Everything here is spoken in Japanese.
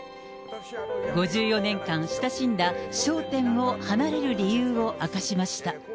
５４年間親しんだ笑点を離れる理由を明かしました。